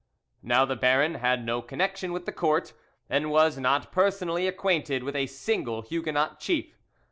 Now the baron had no connection with the court, and was not personally acquainted with a single Huguenot chief.